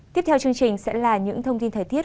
tiếp theo chương trình sẽ là những thông tin thời tiết